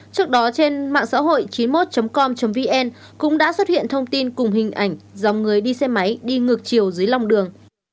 trước đó trên mạng xã hội chín mươi một com vn cũng đã xuất hiện thông tin cùng hình ảnh dòng người đi xe máy đi ngược chiều dưới lòng đường